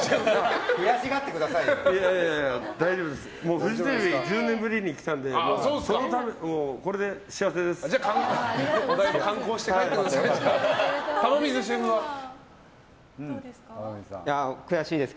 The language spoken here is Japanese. フジテレビ１０年ぶりに来たのでこれで幸せです。